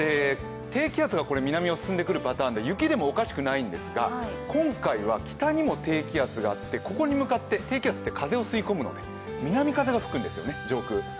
低気圧が南を進んでくるパターンで雪でもおかしくないんですが、今回は北にも低気圧があって、ここに向かって、低気圧は風を吸い込むので南風が吹くんですよね、上空。